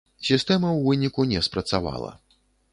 Сістэма ў выніку не спрацавала.